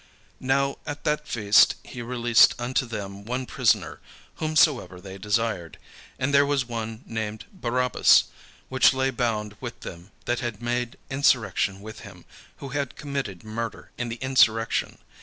Now at that feast he released unto them one prisoner, whomsoever they desired. And there was one named Barabbas, which lay bound with them that had made insurrection with him, who had committed murder in the insurrection.